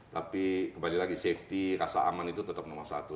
tapi kembali lagi safety rasa aman itu tetap nomor satu